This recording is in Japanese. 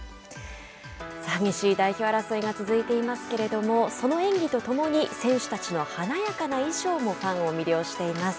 激しい代表争いが続いていますけどもその演技とともに選手たちの華やかな衣装もファンを魅了しています。